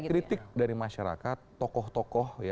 kritik dari masyarakat tokoh tokoh